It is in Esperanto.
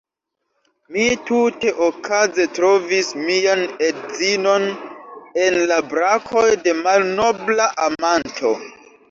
Mi tute okaze trovis mian edzinon en la brakoj de malnobla amanto!